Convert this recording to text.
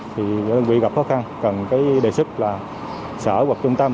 thì đơn vị gặp khó khăn cần cái đề xuất là sở hoặc trung tâm